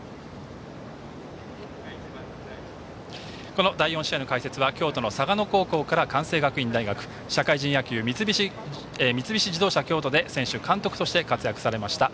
この第４試合の解説は京都の嵯峨野高校から関西学院大学社会人野球の三菱自動車京都で選手、監督として活躍されました